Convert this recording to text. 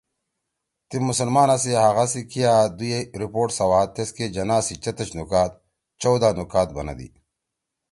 تی مسلمانا سی حقآ سی کیا دُوئی رپورٹ سواد تیسکے جناح سی چتَش نکات )چودہ نکات( بنَدی